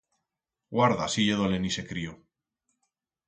Guarda si ye dolent ixe crío.